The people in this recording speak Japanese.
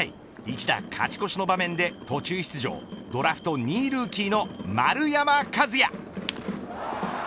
一打勝ち越しの場面で途中出場ドラフト２位ルーキーの丸山和郁。